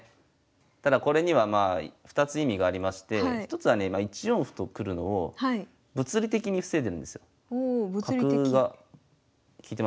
ただこれにはまあ２つ意味がありまして１つはね１四歩と来るのを物理的に防いでるんですよ。